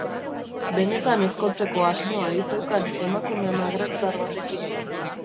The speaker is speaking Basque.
Benetan ezkontzeko asmoa ei zeu-kan, emakume magrebtar batekin.